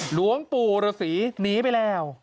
หลวงปู่ฤษีหนีไปแล้ว